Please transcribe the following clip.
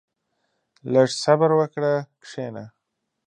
• لږ صبر وکړه، کښېنه.